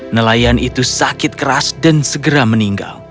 nelayan itu sakit keras dan segera meninggal